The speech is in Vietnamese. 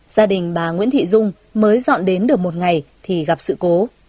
gia đình bà nguyễn thị dung mới dọn đến được một ngày thì gặp sự cố